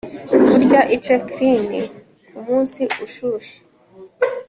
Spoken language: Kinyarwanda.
kurya ice cream kumunsi ushushe.